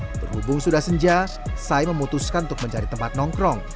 berhubung sudah senja saya memutuskan untuk mencari tempat nongkrong